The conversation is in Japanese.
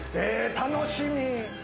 楽しみ！